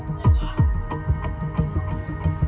ปากซเข้าไปสไตมีโบ๊ทมานี้